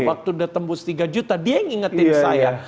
waktu udah tembus tiga juta dia yang ngingetin saya